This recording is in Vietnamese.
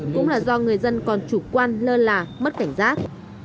cũng là do người dân còn chủ quan lơ là mất cảnh giác